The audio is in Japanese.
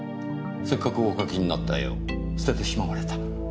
せっかくお描きになった絵を捨ててしまわれた？